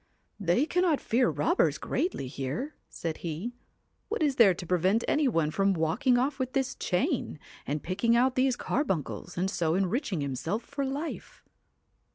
1 They cannot fear robbers greatly here,' said he ;* what is there to prevent any one from walking off with this chain, and picking out these carbuncles, and so enriching himself for life